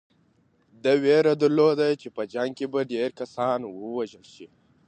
ده وېره درلوده چې په جنګ کې به ډېر کسان ووژل شي.